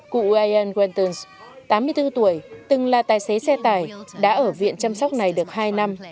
cụ ian wentons tám mươi bốn tuổi từng là tài xế xe tải đã ở viện chăm sóc này được hai năm